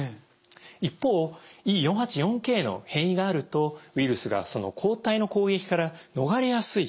一方Ｅ４８４Ｋの変異があるとウイルスがその抗体の攻撃から逃れやすい。